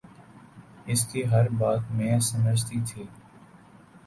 اس کی ہر بات میں سمجھتی تھی